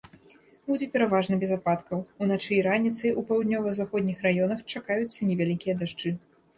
Будзе пераважна без ападкаў, уначы і раніцай у паўднёва-заходніх раёнах чакаюцца невялікія дажджы.